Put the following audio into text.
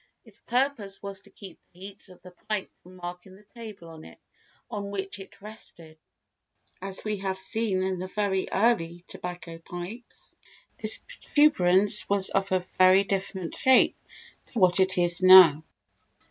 Its purpose was to keep the heat of the pipe from marking the table on which it rested. Originally, as we have seen in very early tobacco pipes, this protuberance was of a very different shape to what it is now.